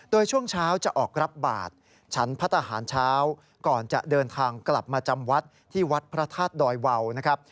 โดยช่วงเช้าจะออกรับบาทชั้นพระทหารเช้าก่อนจะเดินทางกลับมาจำวัดที่วัดพระธาตุดอยวาวนะครับ